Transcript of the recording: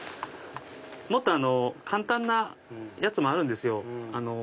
もっと簡単なやつもあるんですよ。